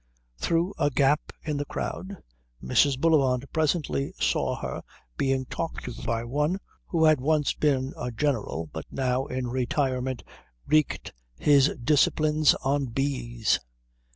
Through a gap in the crowd Mrs. Bullivant presently saw her being talked to by one who had once been a general but now in retirement wreaked his disciplines on bees.